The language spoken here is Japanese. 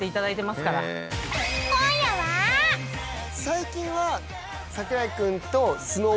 最近は。